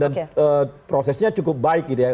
prosesnya cukup baik gitu ya